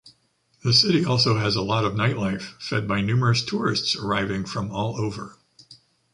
The city also has a lot of nightlife fed by numerous tourists arriving from all over.